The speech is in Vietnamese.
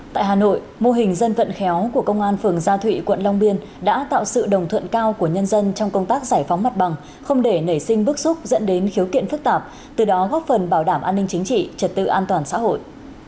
tại hà nội mô hình dân vận khéo của công an phường gia thụy quận long biên đã tạo sự đồng thuận cao của nhân dân trong công tác giải phóng mặt bằng không để nảy sinh bước xúc dẫn đến khiếu kiện phức tạp từ đó góp phần bảo đảm an ninh chính trị trật tự an toàn xã hội